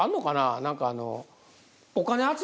何かあの。